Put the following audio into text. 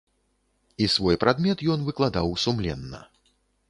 І свой прадмет ён выкладаў сумленна.